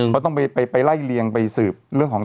เขาต้องไปไล่เลียงไปสืบเรื่องของ